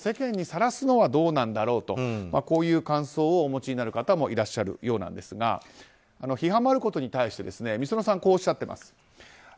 何でもかんでも世間にさらすのはどうなんだろうかという感想をお持ちになる方もいらっしゃるそうですが批判もあることに対してｍｉｓｏｎｏさんはこうおっしゃってます。